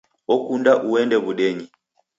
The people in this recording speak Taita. Okunda uende w'udenyi!